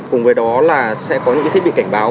cùng với đó là sẽ có những thiết bị cảnh báo